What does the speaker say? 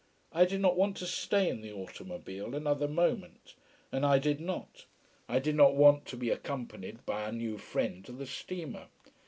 I did not want to stay in the automobile another moment, and I did not, I did not want to be accompanied by our new found friend to the steamer.